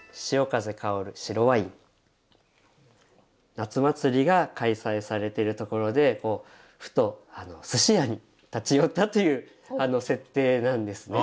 夏祭りが開催されてるところでふとすし屋に立ち寄ったという設定なんですね。